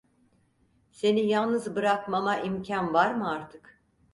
Seni yalnız bırakmama imkan var mı artık…